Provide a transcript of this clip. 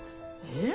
え？